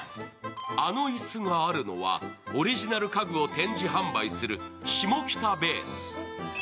あの椅子があるのは、オリジナル家具を展示・販売するシモキタベース。